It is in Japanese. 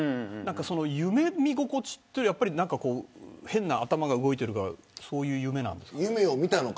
何かその、夢見心地ってやっぱり何かこう変な頭が動いてるからそういう夢なんですか。